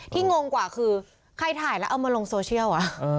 งงกว่าคือใครถ่ายแล้วเอามาลงโซเชียล